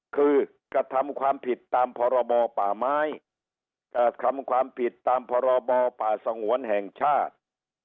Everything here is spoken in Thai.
คือกระทำความผิดตามพรบป่าไม้กระทำความผิดตามพรบป่าสงวนแห่งชาติ